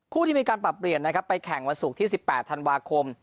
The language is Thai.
ที่มีการปรับเปลี่ยนนะครับไปแข่งวันศุกร์ที่๑๘ธันวาคม